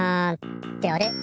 ってあれ？